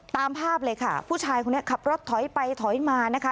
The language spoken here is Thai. ตามภาพเลยค่ะผู้ชายคนนี้ขับรถถอยไปถอยมานะคะ